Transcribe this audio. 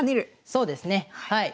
そうですねはい。